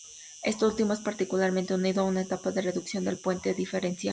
Esto último es particularmente unido a una etapa de reducción del puente diferencial.